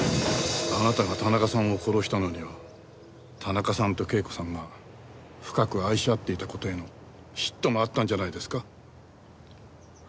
あなたが田中さんを殺したのには田中さんと啓子さんが深く愛し合っていた事への嫉妬もあったんじゃないですか？